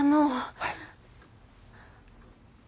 はい。